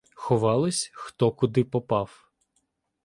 Ховались, хто куди попав.